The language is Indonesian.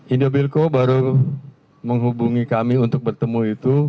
indobilco baru menghubungi kami untuk bertemu itu